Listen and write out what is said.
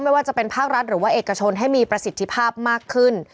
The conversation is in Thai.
ไม่ว่าจะเป็นภาครัฐหรือว่าเอกชนให้มีประสิทธิภาพมากขึ้น